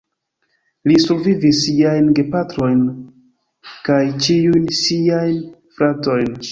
Li survivis siajn gepatrojm kaj ĉiujn siajn fratojn.